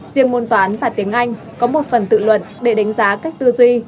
riêng môn toán và tiếng anh có một phần tự luận để đánh giá cách tư duy